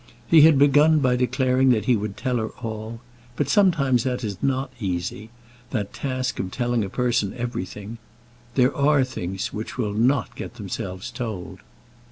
He had begun by declaring that he would tell her all; but sometimes it is not easy, that task of telling a person everything. There are things which will not get themselves told.